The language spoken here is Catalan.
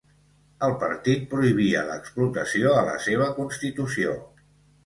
El partit prohibia l'explotació a la seva constitució.